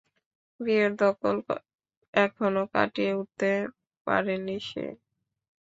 বিয়ের ধকল এখনও কাটিয়ে উঠতে পারেনি সে!